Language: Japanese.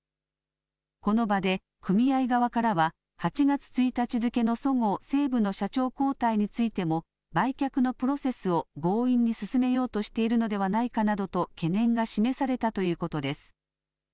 この場で組合側からは８月１日付のそごう・西武の社長交代についても売却のプロセスを強引に進めようとしているのではないかなどと懸念が示されたということです。